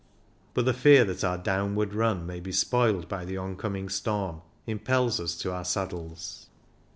But the fear that our downward run may be spoiled by the oncoming storm impels us to our saddles.